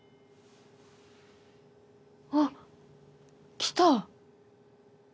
あっ来た。